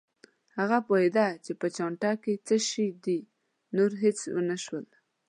هغه پوهېده چې په چانټه کې څه شي دي، نور هېڅ ونه شول.